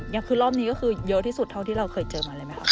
คือรอบนี้ก็คือเยอะที่สุดเท่าที่เราเคยเจอมาเลยไหมครับ